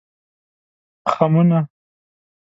خمونه